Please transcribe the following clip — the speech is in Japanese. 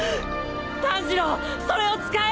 炭治郎それを使え！